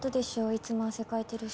いつも汗かいてるし。